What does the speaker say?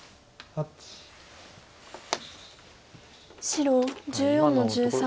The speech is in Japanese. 白１４の十三。